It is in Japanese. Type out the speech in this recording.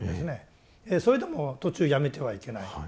それでも途中やめてはいけない。